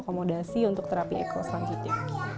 akomodasi untuk terapi eko selanjutnya